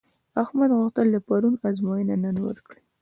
احمد غوښتل د پرون ازموینه نن ورکړي.